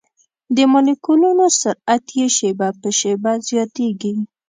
د مالیکولونو سرعت یې شېبه په شېبه زیاتیږي.